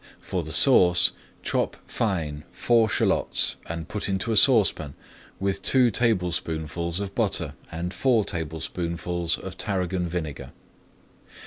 For the sauce chop fine four shallots and put into a saucepan with two tablespoonfuls of butter and four tablespoonfuls of tarragon vinegar.